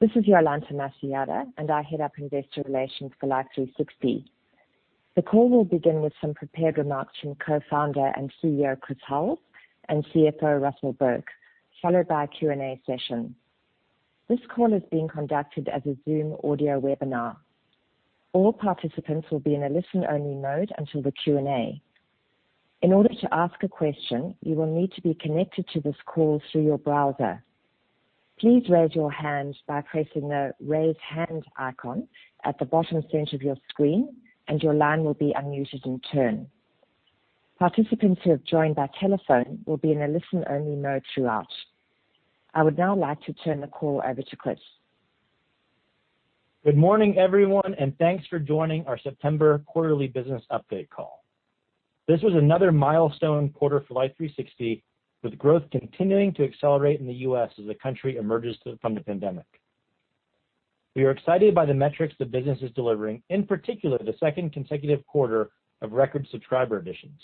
This is Jolanta Masojada, and I head up Investor Relations for Life360. The call will begin with some prepared remarks from Co-founder and CEO, Chris Hulls, and CFO, Russell Burke, followed by a Q&A session. This call is being conducted as a Zoom audio webinar. All participants will be in a listen-only mode until the Q&A. In order to ask a question, you will need to be connected to this call through your browser. Please raise your hand by pressing the Raise Hand icon at the bottom center of your screen, and your line will be unmuted in turn. Participants who have joined by telephone will be in a listen-only mode throughout. I would now like to turn the call over to Chris. Good morning, everyone, and thanks for joining our September quarterly business update call. This was another milestone quarter for Life360, with growth continuing to accelerate in the U.S. as the country emerges from the pandemic. We are excited by the metrics the business is delivering, in particular, the second consecutive quarter of record subscriber additions.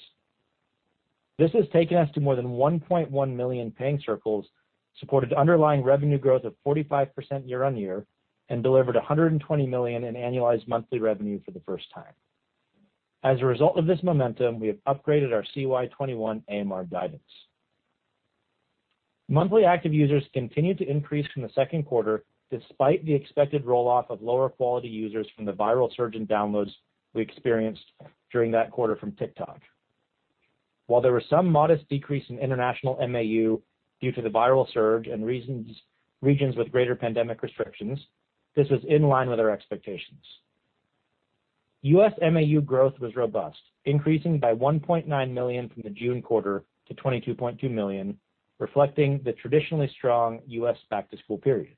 This has taken us to more than 1.1 million paying circles, supported underlying revenue growth of 45% year-on-year, and delivered $120 million in annualized monthly revenue for the first time. As a result of this momentum, we have upgraded our CY 2021 AMR guidance. Monthly active users continued to increase from the second quarter despite the expected roll-off of lower quality users from the viral surge in downloads we experienced during that quarter from TikTok. While there was some modest decrease in international MAU due to the viral surge in regions with greater pandemic restrictions, this was in line with our expectations. U.S. MAU growth was robust, increasing by 1.9 million from the June quarter to 22.2 million, reflecting the traditionally strong U.S. back-to-school period.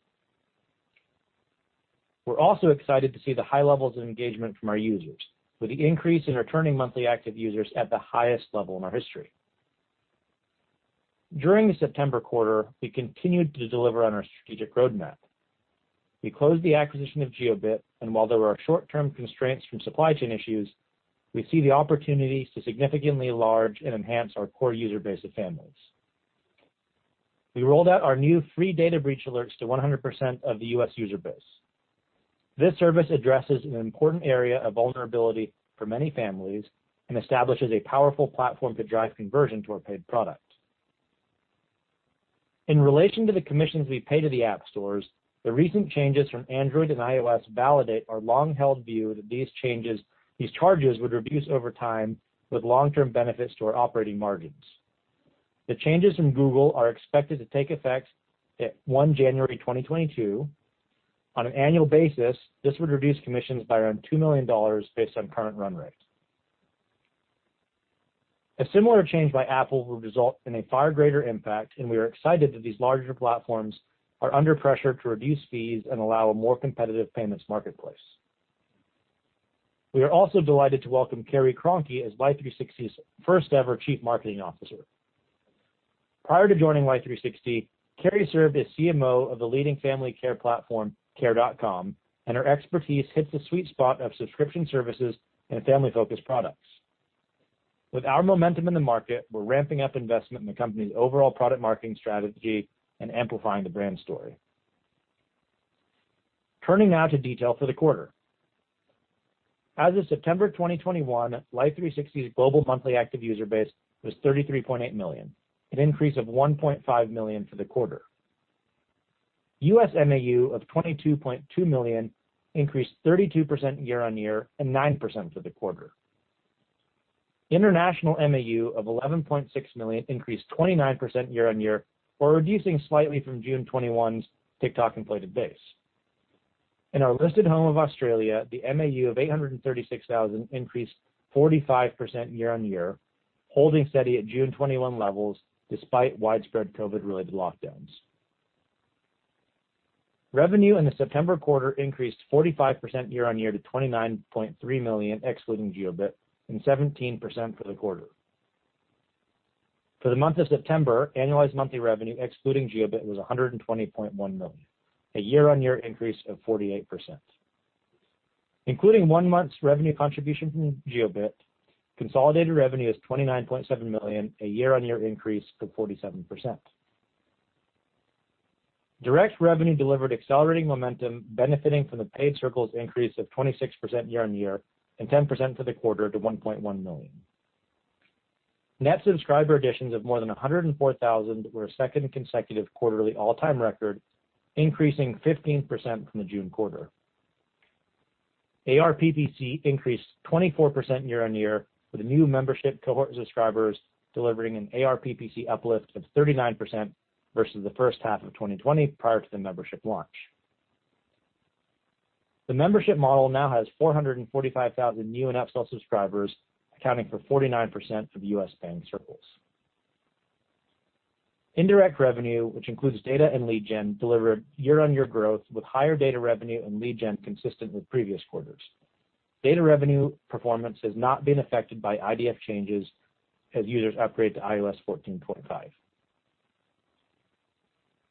We're also excited to see the high levels of engagement from our users with the increase in returning monthly active users at the highest level in our history. During the September quarter, we continued to deliver on our strategic roadmap. We closed the acquisition of Jiobit, and while there were short-term constraints from supply chain issues, we see the opportunity to significantly enlarge and enhance our core user base of families. We rolled out our new free data breach alerts to 100% of the U.S. user base. This service addresses an important area of vulnerability for many families and establishes a powerful platform to drive conversion to our paid product. In relation to the commissions we pay to the app stores, the recent changes from Android and iOS validate our long-held view that these charges would reduce over time with long-term benefits to our operating margins. The changes in Google are expected to take effect at 1 January 2022. On an annual basis, this would reduce commissions by around $2 million based on current run rate. A similar change by Apple will result in a far greater impact, and we are excited that these larger platforms are under pressure to reduce fees and allow a more competitive payments marketplace. We are also delighted to welcome Carrie Cronkey as Life360's first-ever Chief Marketing Officer. Prior to joining Life360, Carrie Cronkey served as CMO of the leading family care platform, Care.com, and her expertise hits the sweet spot of subscription services and family-focused products. With our momentum in the market, we're ramping up investment in the company's overall product marketing strategy and amplifying the brand story. Turning now to detail for the quarter. As of September 2021, Life360's global monthly active user base was 33.8 million, an increase of 1.5 million for the quarter. U.S. MAU of 22.2 million increased 32% year-on-year and 9% for the quarter. International MAU of 11.6 million increased 29% year-on-year, while reducing slightly from June 2021's TikTok-inflated base. In our listed home of Australia, the MAU of 836,000 increased 45% year-on-year, holding steady at June 2021 levels despite widespread COVID-related lockdowns. Revenue in the September quarter increased 45% year-on-year to $29.3 million, excluding Jiobit, and 17% for the quarter. For the month of September, annualized monthly revenue, excluding Jiobit, was $120.1 million, a year-on-year increase of 48%. Including one month's revenue contribution from Jiobit, consolidated revenue is $29.7 million, a year-on-year increase of 47%. Direct revenue delivered accelerating momentum benefiting from the paid circles increase of 26% year-on-year and 10% for the quarter to $1.1 million. Net subscriber additions of more than 104,000 were a second consecutive quarterly all-time record, increasing 15% from the June quarter. ARPPC increased 24% year-on-year, with the new membership cohort subscribers delivering an ARPPC uplift of 39% versus the first half of 2020 prior to the membership launch. The membership model now has 445,000 new and upsell subscribers, accounting for 49% of U.S. paying circles. Indirect revenue, which includes data and lead gen, delivered year-on-year growth with higher data revenue and lead gen consistent with previous quarters. Data revenue performance has not been affected by IDFA changes as users upgrade to iOS 14.5.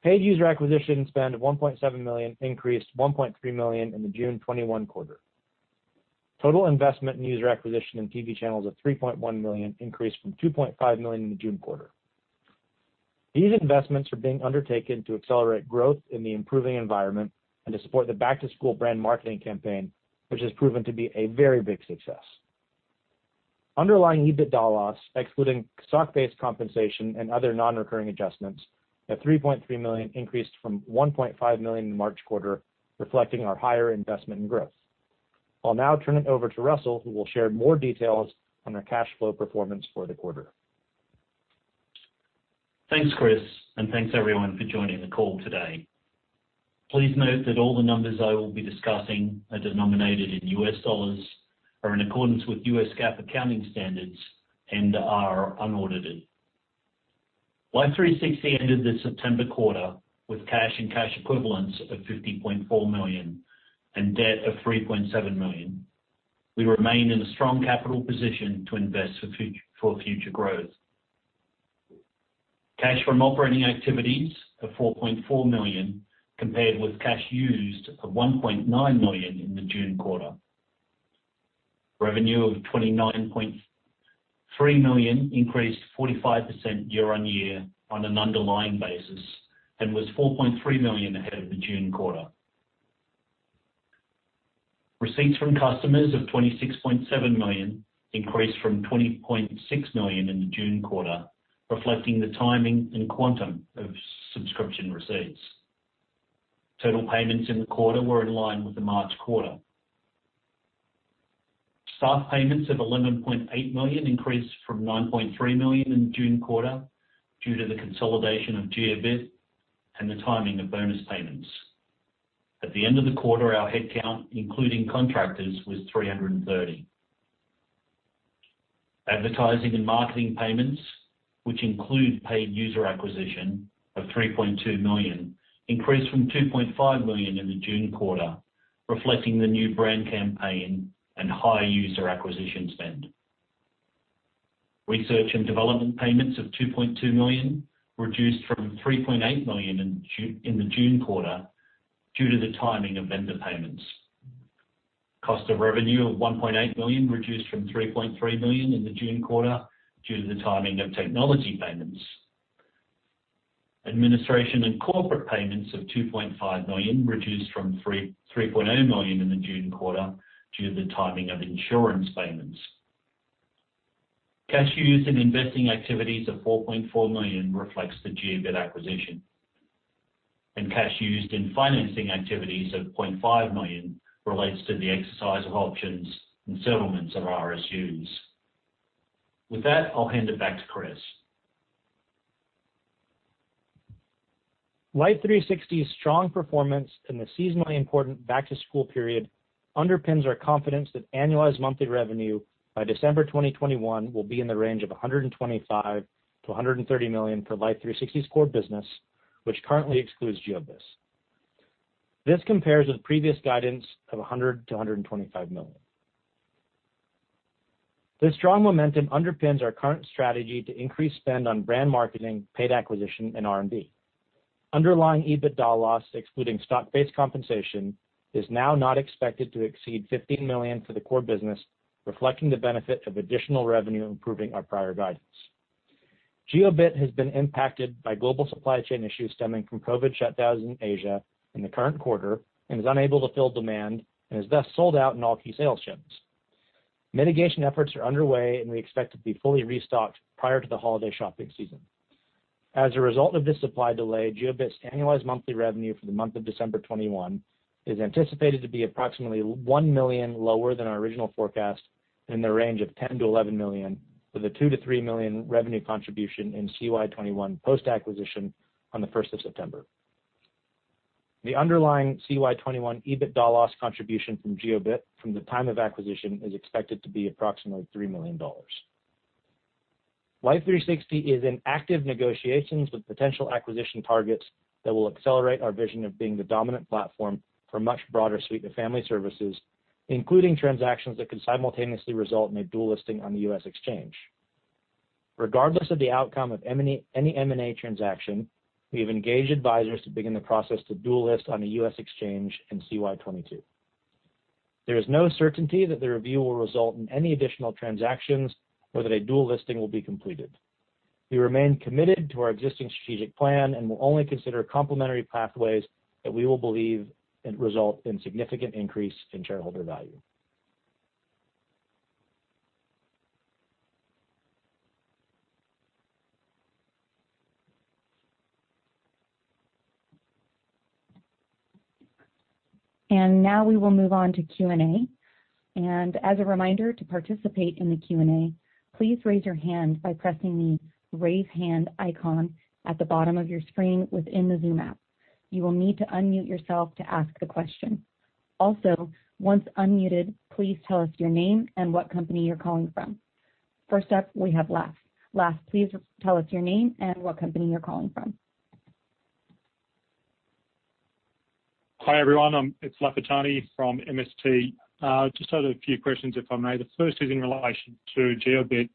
Paid user acquisition spend of $1.7 million increased $1.3 million in the June 2021 quarter. Total investment in user acquisition and TV channels of $3.1 million increased from $2.5 million in the June quarter. These investments are being undertaken to accelerate growth in the improving environment and to support the back-to-school brand marketing campaign, which has proven to be a very big success. Underlying EBITDA loss, excluding stock-based compensation and other non-recurring adjustments at $3.3 million increased from $1.5 million in the March quarter, reflecting our higher investment in growth. I'll now turn it over to Russell, who will share more details on our cash flow performance for the quarter. Thanks, Chris, and thanks everyone for joining the call today. Please note that all the numbers I will be discussing are denominated in U.S. dollars, are in accordance with U.S. GAAP accounting standards and are unaudited. Life360 ended the September quarter with cash and cash equivalents of $50.4 million and debt of $3.7 million. We remain in a strong capital position to invest for future growth. Cash from operating activities of $4.4 million compared with cash used of $1.9 million in the June quarter. Revenue of $29.3 million increased 45% year-on-year on an underlying basis and was $4.3 million ahead of the June quarter. Receipts from customers of $26.7 million increased from $20.6 million in the June quarter, reflecting the timing and quantum of subscription receipts. Total payments in the quarter were in line with the March quarter. Staff payments of $11.8 million increased from $9.3 million in the June quarter due to the consolidation of Jiobit and the timing of bonus payments. At the end of the quarter, our headcount, including contractors, was 330. Advertising and marketing payments, which include paid user acquisition of $3.2 million, increased from $2.5 million in the June quarter, reflecting the new brand campaign and higher user acquisition spend. Research and development payments of $2.2 million reduced from $3.8 million in the June quarter due to the timing of vendor payments. Cost of revenue of $1.8 million reduced from $3.3 million in the June quarter due to the timing of technology payments. Administration and corporate payments of $2.5 million reduced from $3.3 million in the June quarter due to the timing of insurance payments. Cash used in investing activities of $4.4 million reflects the Jiobit acquisition. Cash used in financing activities of $0.5 million relates to the exercise of options and settlements of RSUs. With that, I'll hand it back to Chris. Life360's strong performance in the seasonally important back-to-school period underpins our confidence that annualized monthly revenue by December 2021 will be in the range of $125 million-$130 million for Life360's core business, which currently excludes Jiobit. This compares with previous guidance of $100 million-$125 million. This strong momentum underpins our current strategy to increase spend on brand marketing, paid acquisition, and R&D. Underlying EBITDA loss, excluding stock-based compensation, is now not expected to exceed $15 million for the core business, reflecting the benefit of additional revenue improving our prior guidance. Jiobit has been impacted by global supply chain issues stemming from COVID shutdowns in Asia in the current quarter and is unable to fill demand and is thus sold out in all key sales channels. Mitigation efforts are underway, and we expect to be fully restocked prior to the holiday shopping season. As a result of this supply delay, Jiobit's annualized monthly revenue for the month of December 2021 is anticipated to be approximately $1 million lower than our original forecast in the range of $10 million-$11 million, with a $2 million-$3 million revenue contribution in CY 2021 post-acquisition on the first of September. The underlying CY 2021 EBITDA loss contribution from Jiobit from the time of acquisition is expected to be approximately $3 million. Life360 is in active negotiations with potential acquisition targets that will accelerate our vision of being the dominant platform for a much broader suite of family services, including transactions that could simultaneously result in a dual listing on the U.S. exchange. Regardless of the outcome of any M&A transaction, we have engaged advisors to begin the process to dual list on a U.S. exchange in CY 2022. There is no certainty that the review will result in any additional transactions or that a dual listing will be completed. We remain committed to our existing strategic plan and will only consider complementary pathways that we will believe can result in significant increase in shareholder value. Now we will move on to Q&A. As a reminder, to participate in the Q&A, please raise your hand by pressing the Raise Hand icon at the bottom of your screen within the Zoom app. You will need to unmute yourself to ask the question. Also, once unmuted, please tell us your name and what company you're calling from. First up, we have Lachlan Pethani. Lachlan Pethani, please tell us your name and what company you're calling from. Hi, everyone. It's Lachlan Pethani from MST Marquee. Just have a few questions, if I may. The first is in relation to Jiobit.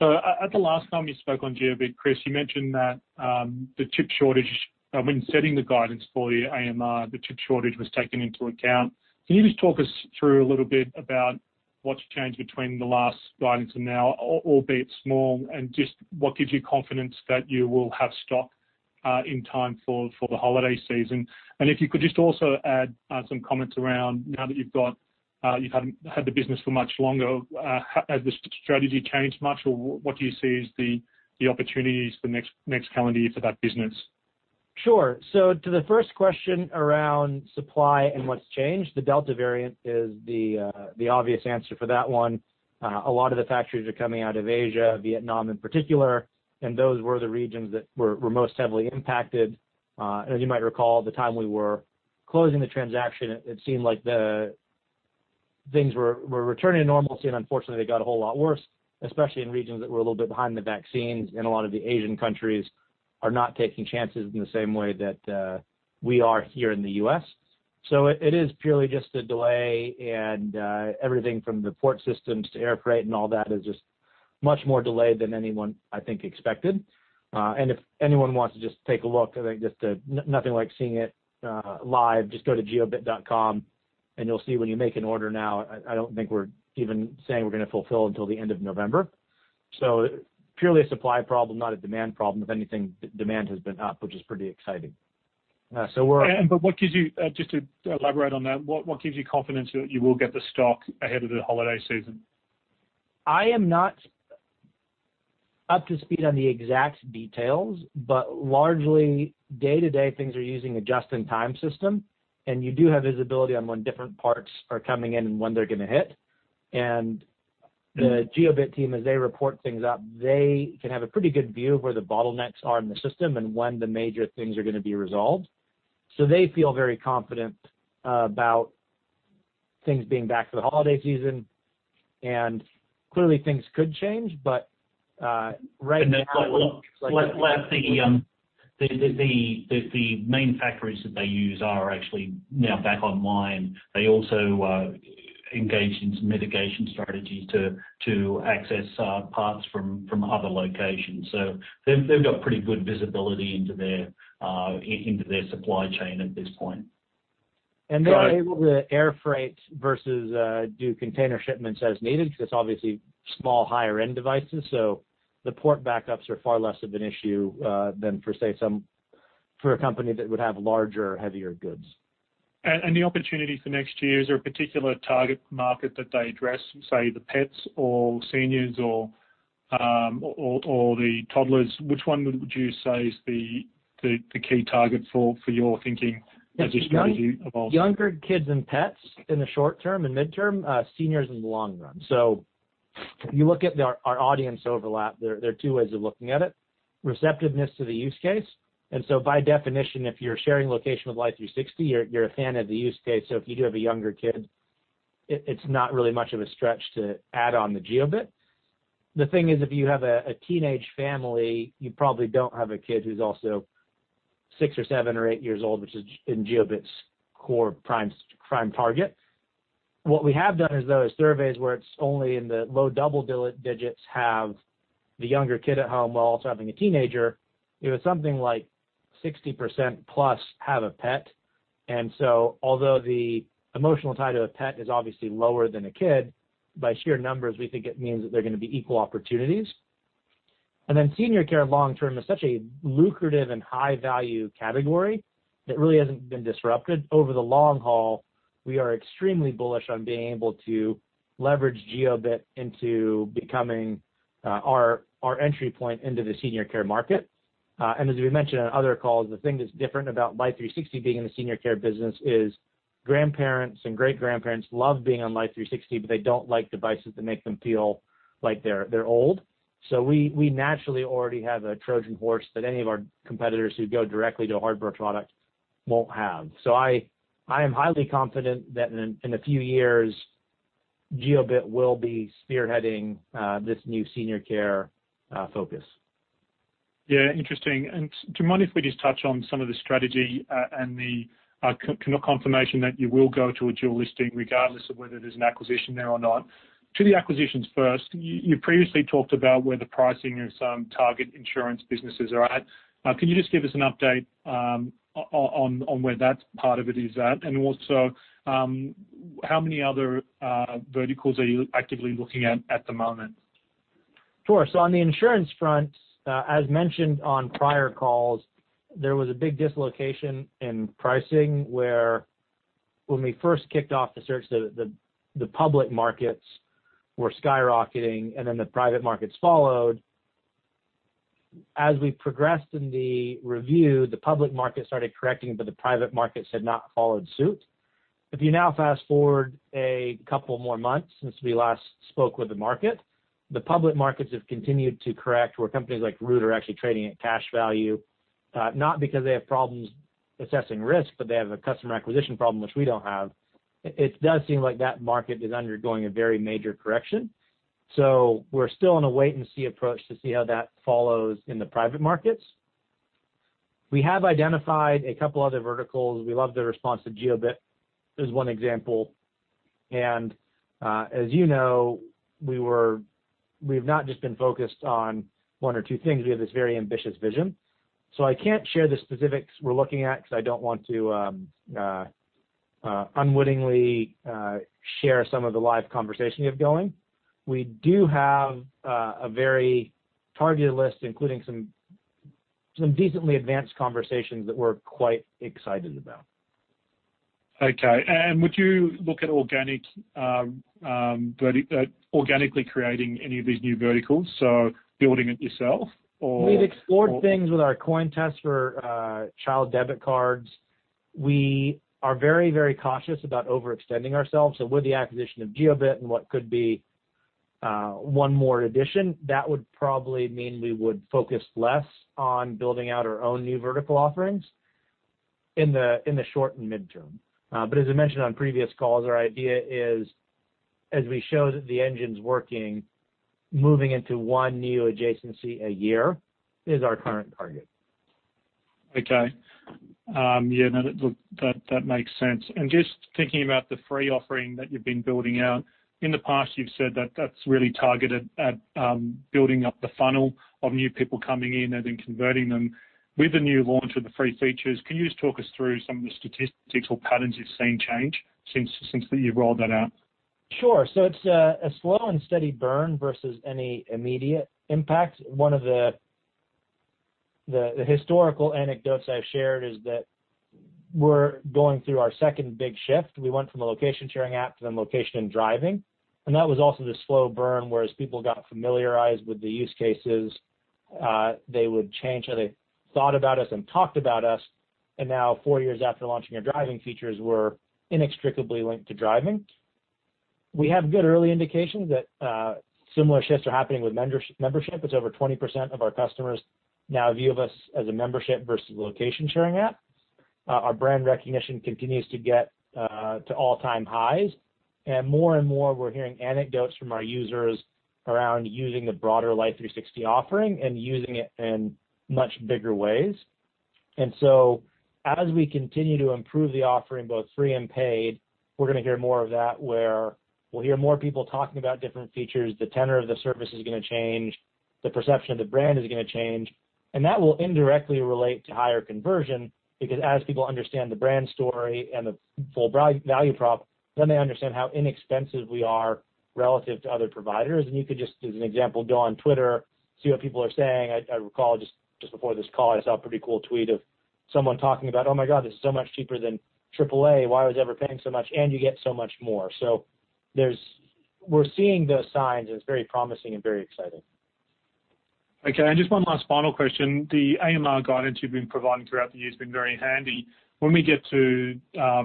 At the last time you spoke on Jiobit, Chris, you mentioned that the chip shortage, when setting the guidance for your AMR, the chip shortage was taken into account. Can you just talk us through a little bit about what's changed between the last guidance and now, or albeit small, and just what gives you confidence that you will have stock in time for the holiday season? If you could just also add some comments around now that you've had the business for much longer, has the strategy changed much, or what do you see is the opportunities for next calendar year for that business? Sure. To the first question around supply and what's changed, the Delta variant is the obvious answer for that one. A lot of the factories are coming out of Asia, Vietnam in particular, and those were the regions that were most heavily impacted. And as you might recall, at the time we were closing the transaction, it seemed like the things were returning to normalcy, and unfortunately, they got a whole lot worse, especially in regions that were a little bit behind the vaccines, and a lot of the Asian countries are not taking chances in the same way that we are here in the U.S. It is purely just a delay and everything from the port systems to air freight and all that is just much more delayed than anyone, I think, expected. If anyone wants to just take a look, I think just nothing like seeing it live, just go to jiobit.com and you'll see when you make an order now, I don't think we're even saying we're going to fulfill until the end of November. Purely a supply problem, not a demand problem. If anything, demand has been up, which is pretty exciting. We're- Just to elaborate on that, what gives you confidence that you will get the stock ahead of the holiday season? I am not up to speed on the exact details, but largely day-to-day things are using a just-in-time system, and you do have visibility on when different parts are coming in and when they're going to hit. The Jiobit team, as they report things up, they can have a pretty good view of where the bottlenecks are in the system and when the major things are going to be resolved. They feel very confident about things being back for the holiday season. Clearly, things could change, but right now it looks like. They have the main factories that they use are actually now back online. They also engaged in some mitigation strategies to access parts from other locations. They've got pretty good visibility into their supply chain at this point. They're able to air freight versus do container shipments as needed because obviously small higher-end devices. The port backups are far less of an issue than for, say, a company that would have larger, heavier goods. The opportunity for next year, is there a particular target market that they address, say, the pets or seniors or the toddlers? Which one would you say is the key target for your thinking as you review- Younger kids and pets in the short term and midterm, seniors in the long run. You look at our audience overlap, there are two ways of looking at it, receptiveness to the use case. By definition, if you're sharing location with Life360, you're a fan of the use case. If you do have a younger kid, it's not really much of a stretch to add on the Jiobit. The thing is, if you have a teenage family, you probably don't have a kid who's also six or seven or eight years old, which is in Jiobit's core prime target. What we have done is those surveys where it's only in the low double digits have the younger kid at home while also having a teenager. It was something like 60% plus have a pet. Although the emotional tie to a pet is obviously lower than a kid, by sheer numbers, we think it means that they're going to be equal opportunities. Senior care long term is such a lucrative and high-value category that really hasn't been disrupted. Over the long haul, we are extremely bullish on being able to leverage Jiobit into becoming our entry point into the senior care market. As we mentioned on other calls, the thing that's different about Life360 being in the senior care business is grandparents and great-grandparents love being on Life360, but they don't like devices that make them feel like they're old. We naturally already have a Trojan horse that any of our competitors who go directly to a hardware product won't have. I am highly confident that in a few years, Jiobit will be spearheading this new senior care focus. Yeah, interesting. Do you mind if we just touch on some of the strategy and the confirmation that you will go to a dual listing regardless of whether there's an acquisition there or not? To the acquisitions first, you previously talked about where the pricing of some target insurance businesses are at. Can you just give us an update on where that part of it is at? Also, how many other verticals are you actively looking at at the moment? Sure. On the insurance front, as mentioned on prior calls, there was a big dislocation in pricing, where when we first kicked off the search, the public markets were skyrocketing, and then the private markets followed. As we progressed in the review, the public market started correcting, but the private markets had not followed suit. If you now fast-forward a couple more months since we last spoke with the market, the public markets have continued to correct, where companies like Root are actually trading at cash value, not because they have problems assessing risk, but they have a customer acquisition problem, which we don't have. It does seem like that market is undergoing a very major correction. We're still in a wait and see approach to see how that follows in the private markets. We have identified a couple other verticals. We love the response to Jiobit, is one example. As you know, we've not just been focused on one or two things. We have this very ambitious vision. I can't share the specifics we're looking at because I don't want to unwittingly share some of the live conversation we have going. We do have a very targeted list, including some decently advanced conversations that we're quite excited about. Okay. Would you look at organic, organically creating any of these new verticals, so building it yourself, or- We've explored things with our coin tests for child debit cards. We are very, very cautious about overextending ourselves. With the acquisition of Jiobit and what could be one more addition, that would probably mean we would focus less on building out our own new vertical offerings in the short and midterm. As I mentioned on previous calls, our idea is, as we show that the engine's working, moving into one new adjacency a year is our current target. Okay. Yeah, no, look, that makes sense. Just thinking about the free offering that you've been building out, in the past, you've said that that's really targeted at building up the funnel of new people coming in and then converting them. With the new launch of the free features, can you just talk us through some of the statistics or patterns you've seen change since you've rolled that out? Sure. It's a slow and steady burn versus any immediate impact. One of the historical anecdotes I've shared is that we're going through our second big shift. We went from a location-sharing app to then location and driving, and that was also this slow burn, whereas people got familiarized with the use cases, they would change how they thought about us and talked about us. Now, four years after launching our driving features, we're inextricably linked to driving. We have good early indications that similar shifts are happening with membership. It's over 20% of our customers now view of us as a membership versus a location-sharing app. Our brand recognition continues to get to all-time highs. More and more, we're hearing anecdotes from our users around using the broader Life360 offering and using it in much bigger ways. As we continue to improve the offering, both free and paid, we're gonna hear more of that, where we'll hear more people talking about different features. The tenor of the service is gonna change. The perception of the brand is gonna change. That will indirectly relate to higher conversion because as people understand the brand story and the full value prop, then they understand how inexpensive we are relative to other providers. You could just, as an example, go on Twitter, see what people are saying. I recall just before this call, I saw a pretty cool tweet of someone talking about, Oh my God, this is so much cheaper than AAA. Why was I ever paying so much? You get so much more. We're seeing the signs, and it's very promising and very exciting. Okay. Just one last final question. The AMR guidance you've been providing throughout the year has been very handy. When we get to,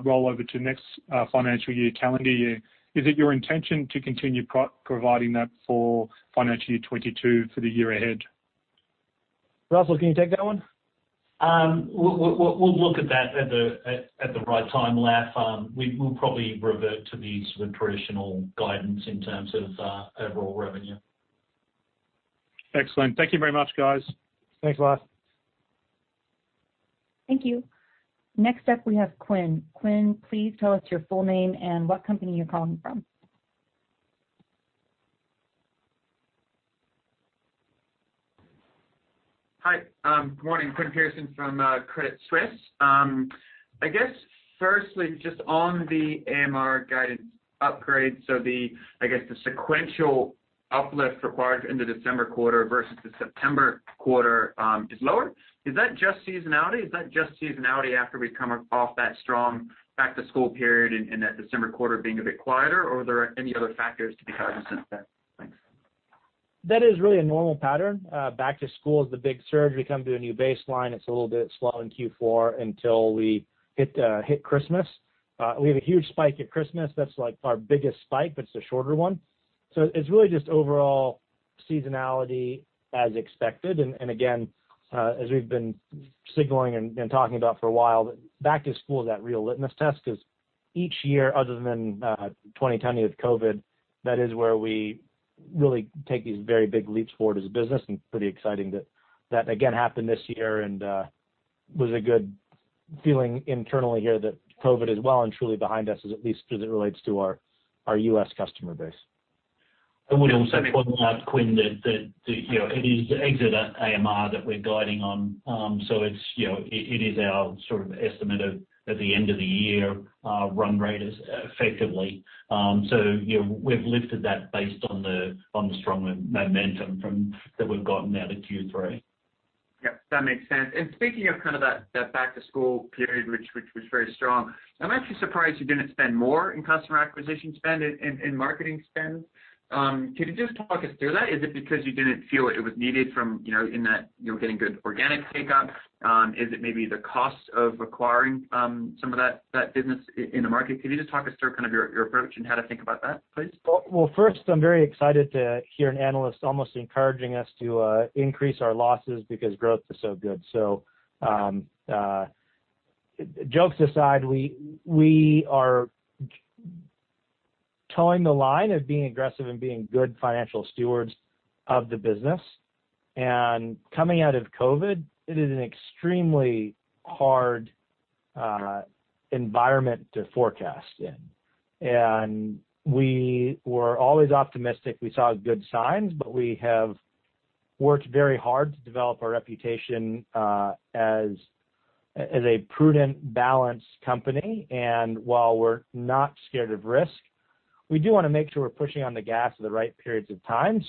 roll over to next, financial year, calendar year, is it your intention to continue providing that for financial year 2022 for the year ahead? Russell, can you take that one? We'll look at that at the right time, Lach. We will probably revert to the sort of traditional guidance in terms of overall revenue. Excellent. Thank you very much, guys. Thanks, Lachlan. Thank you. Next up, we have Quinn. Quinn, please tell us your full name and what company you're calling from. Hi. Good morning. Quinn Pierson from Credit Suisse. I guess firstly, just on the AMR guidance upgrade, so the sequential uplift required in the December quarter versus the September quarter is lower. Is that just seasonality after we've come off that strong back-to-school period and that December quarter being a bit quieter, or are there any other factors to be cognizant of? Thanks. That is really a normal pattern. Back to school is the big surge. We come to a new baseline. It's a little bit slow in Q4 until we hit Christmas. We have a huge spike at Christmas. That's, like, our biggest spike, but it's a shorter one. It's really just overall seasonality as expected. And again, as we've been signaling and talking about for a while, back to school is that real litmus test 'cause each year, other than 2020 with COVID, that is where we really take these very big leaps forward as a business, and pretty exciting that that again happened this year and was a good feeling internally here that COVID is well and truly behind us, at least as it relates to our U.S. customer base. I would also qualify, Quinn, that, you know, it is the exit AMR that we're guiding on. It's, you know, it is our sort of estimate of, at the end of the year, run rate as effectively. You know, we've lifted that based on the strong momentum from that we've gotten out of Q3. Yep, that makes sense. Speaking of kind of that back-to-school period, which was very strong, I'm actually surprised you didn't spend more in customer acquisition spend, in marketing spend. Could you just talk us through that? Is it because you didn't feel it was needed from, you know, in that you were getting good organic take-up? Is it maybe the cost of acquiring some of that business in the market? Can you just talk us through kind of your approach and how to think about that, please? Well, first, I'm very excited to hear an analyst almost encouraging us to increase our losses because growth is so good. Jokes aside, we are toeing the line of being aggressive and being good financial stewards of the business. Coming out of COVID, it is an extremely hard environment to forecast in. We were always optimistic. We saw good signs, but we have worked very hard to develop our reputation as a prudent, balanced company. While we're not scared of risk, we do wanna make sure we're pushing on the gas at the right periods of time.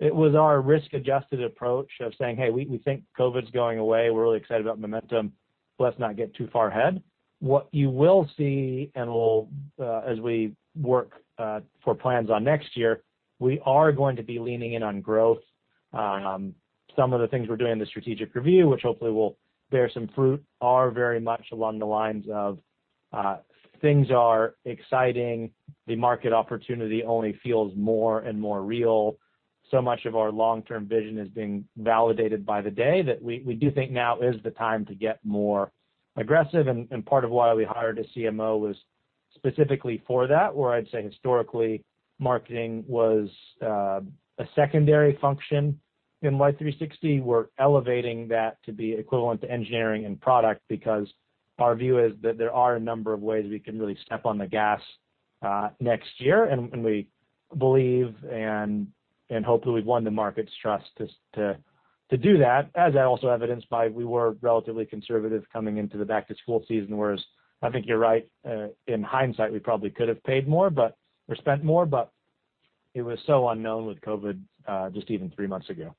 It was our risk-adjusted approach of saying, Hey, we think COVID's going away. We're really excited about momentum. Let's not get too far ahead. What you will see, and we'll, as we work on plans for next year, we are going to be leaning in on growth. Some of the things we're doing in the strategic review, which hopefully will bear some fruit, are very much along the lines of, things are exciting. The market opportunity only feels more and more real. Much of our long-term vision is being validated by the day that we do think now is the time to get more aggressive. Part of why we hired a CMO was specifically for that, where I'd say historically, marketing was a secondary function in Life360. We're elevating that to be equivalent to engineering and product because our view is that there are a number of ways we can really step on the gas next year. We believe, and hopefully we've won the market's trust to do that. As also evidenced by we were relatively conservative coming into the back-to-school season, whereas I think you're right. In hindsight, we probably could have paid more or spent more, but it was so unknown with COVID just even three months ago.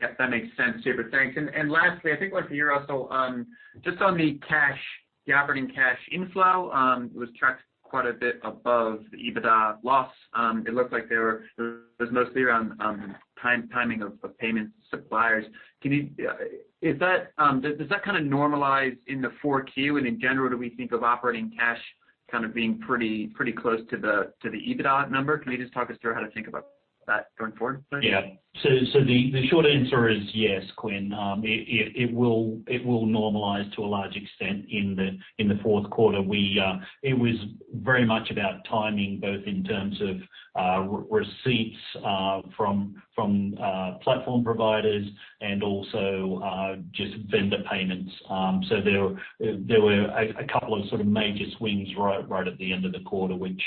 Yep, that makes sense, super. Thanks. Lastly, I think one for you, Russell, just on the cash, the operating cash inflow was tracked quite a bit above the EBITDA loss. It looked like it was mostly around timing of payments, suppliers. Does that kind of normalize in Q4? In general, do we think of operating cash kind of being pretty close to the EBITDA number? Can you just talk us through how to think about that going forward? Yeah. The short answer is yes, Quinn. It will normalize to a large extent in the fourth quarter. It was very much about timing, both in terms of receipts from platform providers and also just vendor payments. There were a couple of sort of major swings right at the end of the quarter, which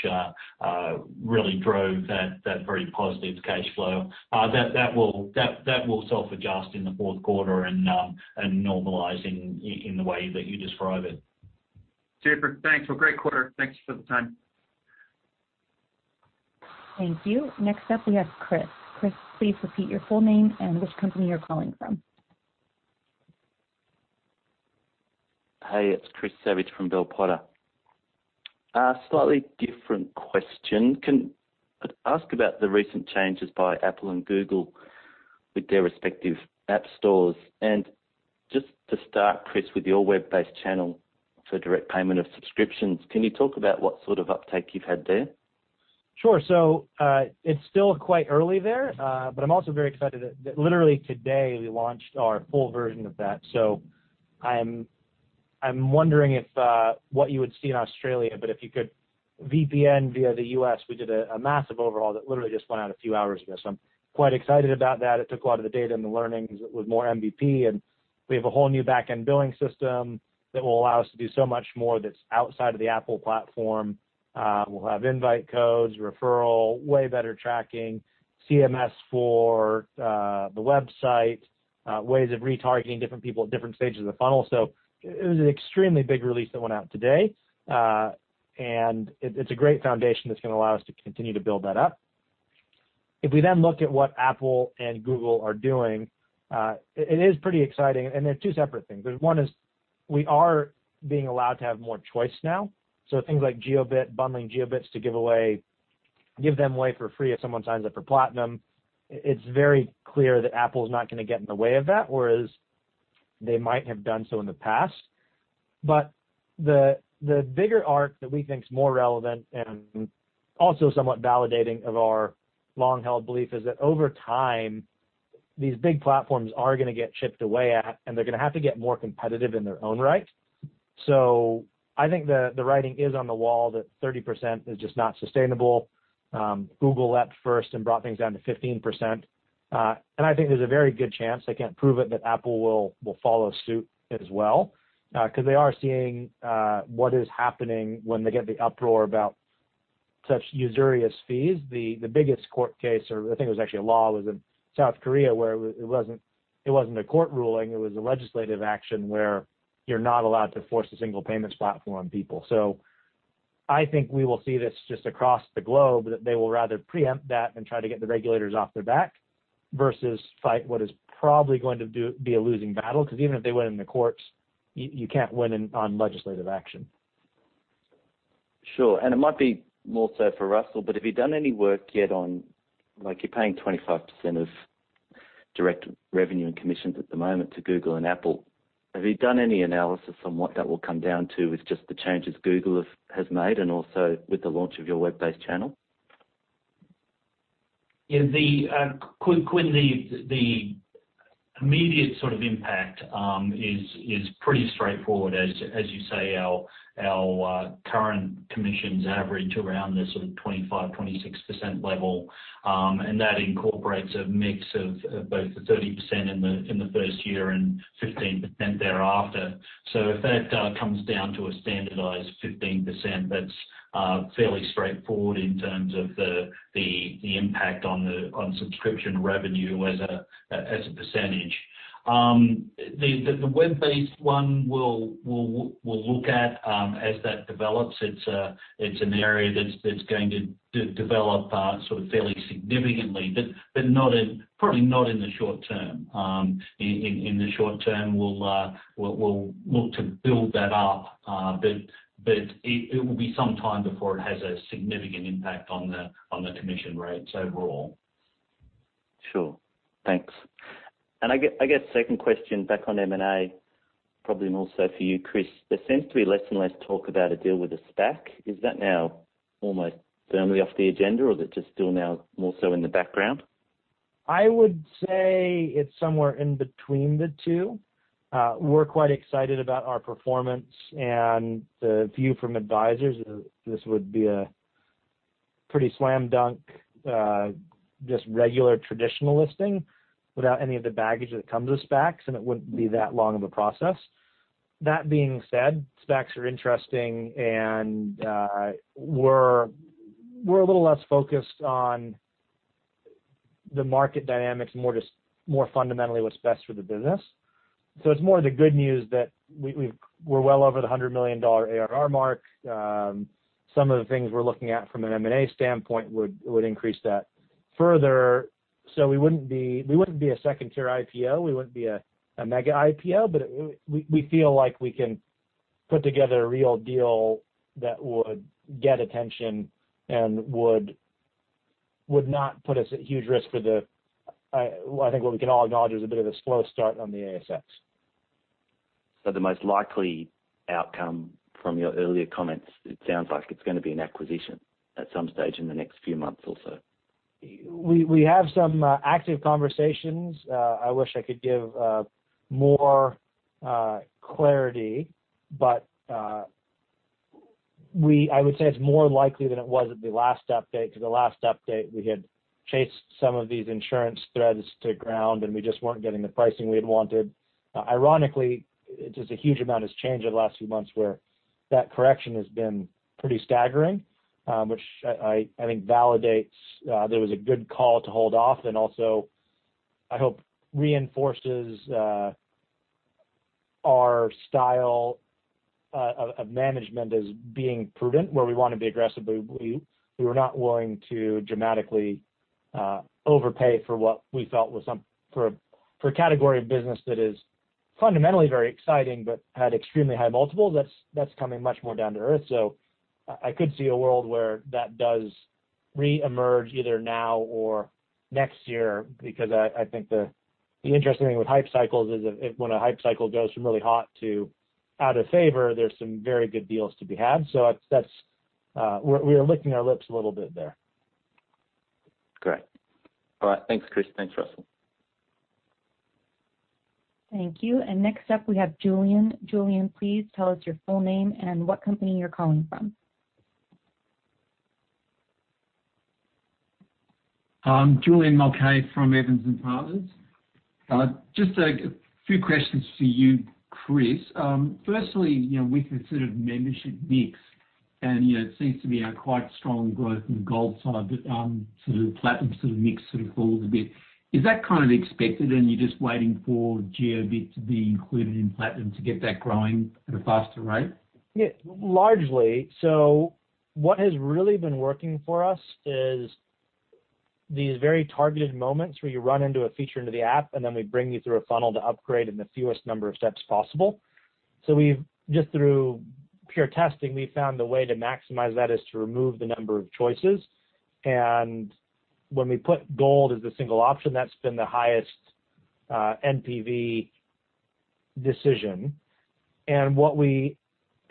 really drove that very positive cash flow. That will self-adjust in the fourth quarter and normalize in the way that you describe it. Super. Thanks. Well, great quarter. Thanks for the time. Thank you. Next up we have Chris. Chris, please repeat your full name and which company you're calling from. Hey, it's Chris Savage from Bell Potter. A slightly different question. I'd ask about the recent changes by Apple and Google with their respective app stores. Just to start, Chris, with your web-based channel for direct payment of subscriptions, can you talk about what sort of uptake you've had there? Sure. It's still quite early there, but I'm also very excited that literally today we launched our full version of that. I'm wondering if what you would see in Australia, but if you could VPN via the U.S., we did a massive overhaul that literally just went out a few hours ago. I'm quite excited about that. It took a lot of the data and the learnings with more MVP, and we have a whole new back-end billing system that will allow us to do so much more that's outside of the Apple platform. We'll have invite codes, referral, way better tracking, CMS for the website, ways of retargeting different people at different stages of the funnel. It was an extremely big release that went out today. It, it's a great foundation that's gonna allow us to continue to build that up. If we then look at what Apple and Google are doing, it is pretty exciting. They're two separate things. One is we are being allowed to have more choice now. Things like Jiobit, bundling Jiobits to give away, give them away for free if someone signs up for platinum. It's very clear that Apple is not gonna get in the way of that, whereas they might have done so in the past. The bigger arc that we think is more relevant and also somewhat validating of our long-held belief is that over time, these big platforms are gonna get chipped away at, and they're gonna have to get more competitive in their own right. I think the writing is on the wall that 30% is just not sustainable. Google leapt first and brought things down to 15%. I think there's a very good chance, I can't prove it, that Apple will follow suit as well, 'cause they are seeing what is happening when they get the uproar about such usurious fees. The biggest court case, or I think it was actually a law, was in South Korea, where it wasn't a court ruling, it was a legislative action where you're not allowed to force a single payments platform on people. I think we will see this just across the globe, that they will rather preempt that and try to get the regulators off their back versus fight what is probably going to be a losing battle. 'Cause even if they win in the courts, you can't win on legislative action. Sure. It might be more so for Russell, but have you done any work yet on like you're paying 25% of direct revenue and commissions at the moment to Google and Apple? Have you done any analysis on what that will come down to with just the changes Google has made and also with the launch of your web-based channel? Yeah, Quinn, the immediate sort of impact is pretty straightforward. As you say, our current commissions average around the sort of 25%-26% level, and that incorporates a mix of both the 30% in the first year and 15% thereafter. If that comes down to a standardized 15%, that's fairly straightforward in terms of the impact on the subscription revenue as a percentage. The web-based one, we'll look at as that develops. It's an area that's going to develop sort of fairly significantly but probably not in the short term. In the short term, we'll look to build that up. It will be some time before it has a significant impact on the commission rates overall. Sure. Thanks. I get, I guess second question back on M&A, probably more so for you, Chris. There seems to be less and less talk about a deal with the SPAC. Is that now almost firmly off the agenda or is it just still now more so in the background? I would say it's somewhere in between the two. We're quite excited about our performance and the view from advisors. This would be a pretty slam dunk, just regular traditional listing without any of the baggage that comes with SPACs, and it wouldn't be that long of a process. That being said, SPACs are interesting and, we're a little less focused on the market dynamics, more just, more fundamentally what's best for the business. It's more the good news that we're well over the $100 million ARR mark. Some of the things we're looking at from an M&A standpoint would increase that further. We wouldn't be a second tier IPO. We wouldn't be a mega IPO, but we feel like we can put together a real deal that would get attention and would not put us at huge risk for the. Well, I think what we can all acknowledge is a bit of a slow start on the ASX. The most likely outcome from your earlier comments, it sounds like it's gonna be an acquisition at some stage in the next few months or so. We have some active conversations. I wish I could give more clarity, but I would say it's more likely than it was at the last update, 'cause the last update we had chased some of these insurance threads to ground, and we just weren't getting the pricing we had wanted. Ironically, just a huge amount has changed in the last few months where that correction has been pretty staggering, which I think validates there was a good call to hold off, and also I hope reinforces our style of management as being prudent where we wanna be aggressive, but we were not willing to dramatically overpay for what we felt was for a category of business that is fundamentally very exciting but had extremely high multiples. That's coming much more down to earth. I could see a world where that does reemerge either now or next year because I think the interesting thing with hype cycles is, when a hype cycle goes from really hot to out of favor, there's some very good deals to be had. That's. We're licking our lips a little bit there. Great. All right, thanks, Chris. Thanks, Russell. Thank you. Next up, we have Julian. Julian, please tell us your full name and what company you're calling from. Julian Mulcahy from Evans & Partners. Just a few questions for you, Chris. Firstly, you know, with the sort of membership mix and, you know, it seems to be a quite strong growth in the gold side, but, sort of platinum sort of mix sort of falls a bit. Is that kind of expected and you're just waiting for Jiobit to be included in platinum to get that growing at a faster rate? Yeah, largely. What has really been working for us is these very targeted moments where you run into a feature in the app, and then we bring you through a funnel to upgrade in the fewest number of steps possible. We've just through pure testing found the way to maximize that is to remove the number of choices. When we put gold as the single option, that's been the highest NPV decision. What we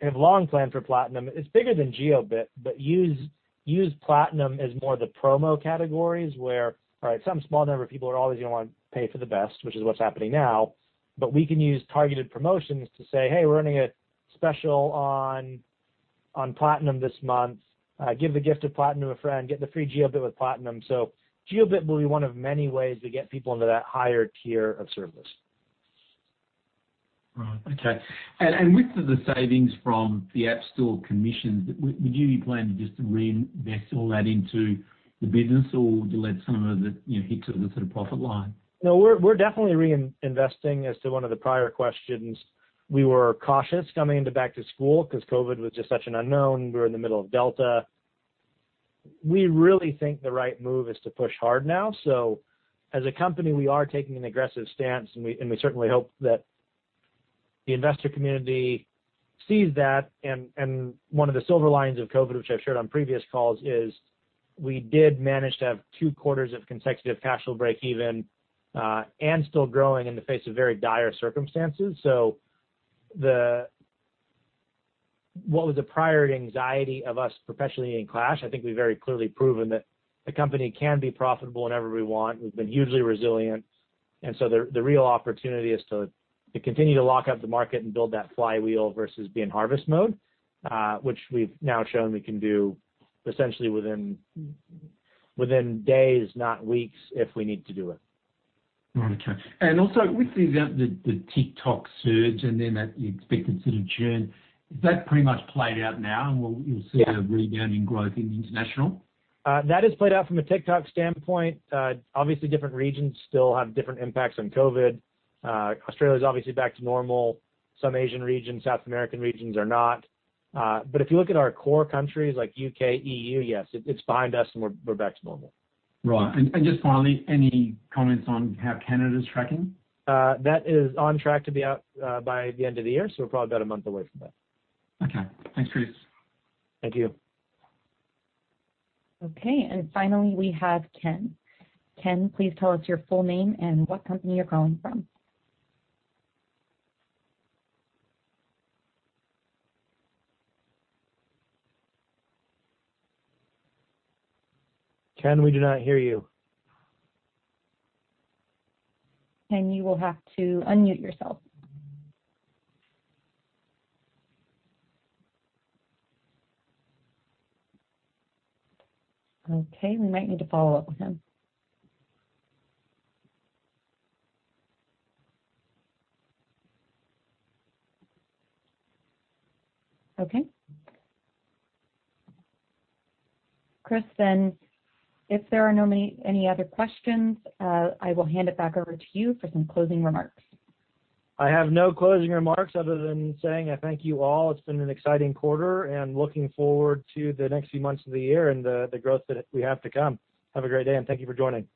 have long planned for platinum is bigger than Jiobit, but use platinum as more the promo categories where some small number of people are always gonna wanna pay for the best, which is what's happening now. We can use targeted promotions to say, Hey, we're running a special on platinum this month. Give the gift of platinum to a friend. Get the free Jiobit with platinum. Jiobit will be one of many ways to get people into that higher tier of service. Right. Okay. With the savings from the App Store commission, would you be planning just to reinvest all that into the business, or would you let some of it, you know, hit to the sort of profit line? No, we're definitely reinvesting. As to one of the prior questions, we were cautious coming into back to school 'cause COVID was just such an unknown. We were in the middle of Delta. We really think the right move is to push hard now. As a company, we are taking an aggressive stance, and we certainly hope that the investor community sees that. One of the silver linings of COVID, which I've shared on previous calls, is we did manage to have two quarters of consecutive cash flow breakeven, and still growing in the face of very dire circumstances. What was the prior anxiety of our profitability and cash? I think we've very clearly proven that the company can be profitable whenever we want. We've been hugely resilient. The real opportunity is to continue to lock up the market and build that flywheel versus be in harvest mode, which we've now shown we can do essentially within days, not weeks, if we need to do it. Okay. Also with the TikTok surge and then that you expected sort of churn, is that pretty much played out now, and we'll- Yeah. You'll see a rebounding growth in international? That is played out from a TikTok standpoint. Obviously different regions still have different impacts on COVID. Australia is obviously back to normal. Some Asian regions, South American regions are not. If you look at our core countries like U.K., EU, yes, it's behind us, and we're back to normal. Right. Just finally, any comments on how Canada is tracking? That is on track to be out by the end of the year, so probably about a month away from that. Okay. Thanks, Chris. Thank you. Okay. Finally, we have Ken. Ken, please tell us your full name and what company you're calling from. Ken, we do not hear you. Ken, you will have to unmute yourself. Okay, we might need to follow up with him. Okay. Chris, if there are no other questions, I will hand it back over to you for some closing remarks. I have no closing remarks other than saying I thank you all. It's been an exciting quarter, and looking forward to the next few months of the year and the growth that we have to come. Have a great day, and thank you for joining.